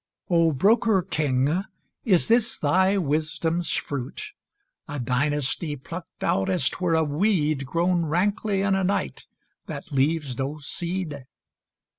V. O Broker King, is this thy wisdom's fruit? A dynasty plucked out as 't were a weed Grown rankly in a night, that leaves no seed!